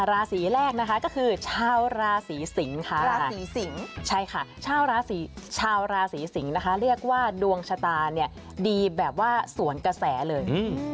ราศีแรกนะคะก็คือชาวราศีสิงค่ะดวงชะตานี้ดีแบบว่าสวนกระแสเลย